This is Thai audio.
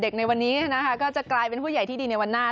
ในวันนี้นะคะก็จะกลายเป็นผู้ใหญ่ที่ดีในวันหน้า